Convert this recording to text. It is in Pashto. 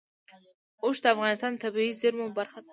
اوښ د افغانستان د طبیعي زیرمو برخه ده.